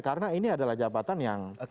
karena ini adalah jabatan yang